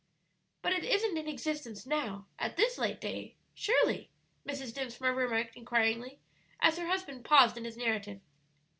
"But it isn't in existence now, at this late day, surely?" Mrs. Dinsmore remarked inquiringly, as her husband paused in his narrative.